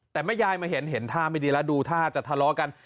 แต่แม่ยายมาเห็นเห็นท่าไม่ดีแล้วดูท่าจะทะเลาะกัน